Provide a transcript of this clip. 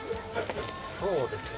そうですね。